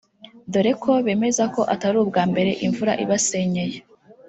dore ko bemeza ko atari ubwa mbere imvura ibasenyeye